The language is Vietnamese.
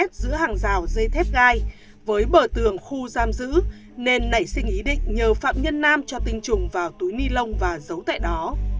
kết giữa hàng rào dây thép gai với bờ tường khu giam giữ nên nảy sinh ý định nhờ phạm nhân nam cho tinh trùng vào túi ni lông và giấu tại đó